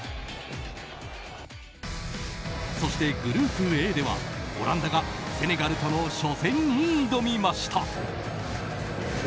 そして、グループＡではオランダがセネガルとの初戦に挑みました。